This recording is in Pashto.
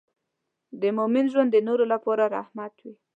د مؤمن ژوند د نورو لپاره رحمت وي.